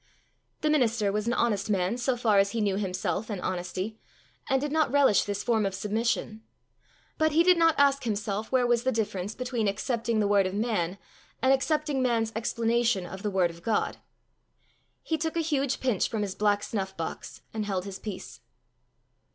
The minister was an honest man so far as he knew himself and honesty, and did not relish this form of submission. But he did not ask himself where was the difference between accepting the word of man and accepting man's explanation of the word of God! He took a huge pinch from his black snuffbox and held his peace.